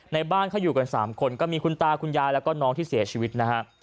ในบ้านเขาอยู่กัน๓คนก็มีคุณตาคุณยายแล้วก็น้องที่เสียชีวิตนะฮะ